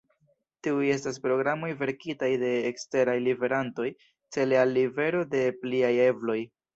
Tiuj estas programoj verkitaj de eksteraj liverantoj, cele al livero de pliaj ebloj.